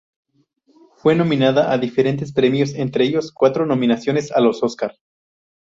Fue nominada a diferentes premios, entre ellos cuatro nominaciones a los Oscar.